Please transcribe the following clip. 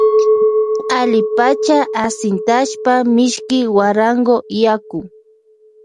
Allipacha ashintashpa mishki guarango yaku.